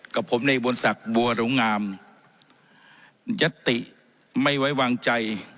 กับผมในบนศักดิ์บัวหลงงามยัตติไม่ไว้วางใจ